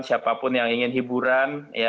siapa pun yang ingin hiburan